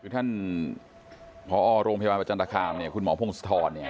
ท่านพอโรงพยาบาลประจำตราคารคุณหมอพงศธรเนี่ย